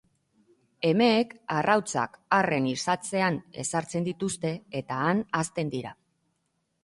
Emeek arrautzak arren isatsean ezartzen dituzte eta han hazten dira.